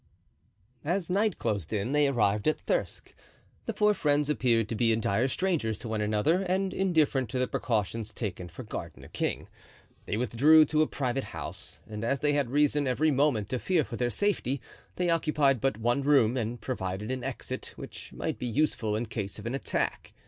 As night closed in they arrived at Thirsk. The four friends appeared to be entire strangers to one another and indifferent to the precautions taken for guarding the king. They withdrew to a private house, and as they had reason every moment to fear for their safety, they occupied but one room and provided an exit, which might be useful in case of an attack.